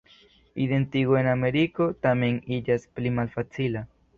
Identigo en Ameriko, tamen iĝas pli malfacila.